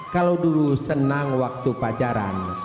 kalau dulu senang waktu pacaran